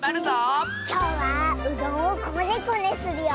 きょうはうどんをコネコネするよ。